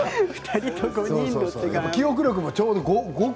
記憶力もちょうど５個。